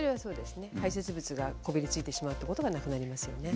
排せつ物がこびりついてしまうということはなくなりますね